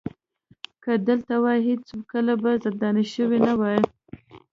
که دلته وای هېڅکله به زنداني شوی نه وای.